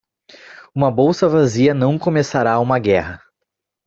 Uma bolsa vazia não começará uma guerra.